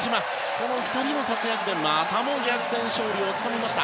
この２人の活躍でまたも逆転勝利をつかみました。